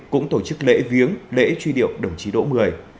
cũng tổ chức lễ viếng lễ truy điệu đồng chí đỗ mười